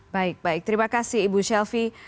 baik baik terima kasih ibu shelfie